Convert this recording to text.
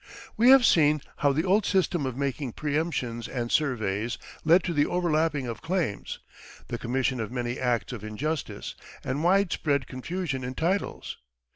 We have seen how the old system of making preemptions and surveys led to the overlapping of claims, the commission of many acts of injustice, and wide spread confusion in titles.